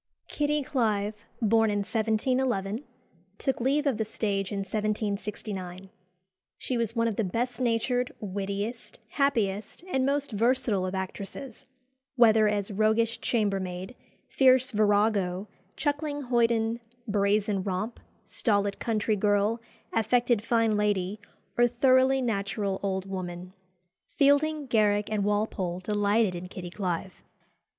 Kitty Clive, born in 1711, took leave of the stage in 1769. She was one of the best natured, wittiest, happiest, and most versatile of actresses, whether as "roguish chambermaid, fierce virago, chuckling hoyden, brazen romp, stolid country girl, affected fine lady, or thoroughly natural old woman." Fielding, Garrick, and Walpole delighted in Kitty Clive.